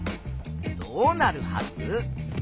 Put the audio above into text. どうなるはず？